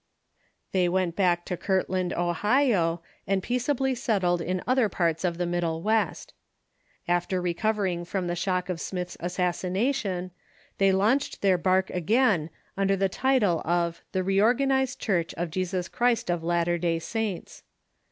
They went back to Kirtland, Ohio, and peace ably settled in other parts of the Middle West. After recov ering from the shock of Smith's assassination, they launched their bark again under the title of the Reorganized Church of Jesus Christ of Latter Day Saints.